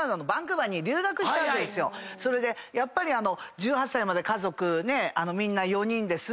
それでやっぱり１８歳まで家族みんな４人で住んでて。